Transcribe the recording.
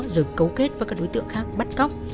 rồi cấu kết với các đối tượng khác bắt cóc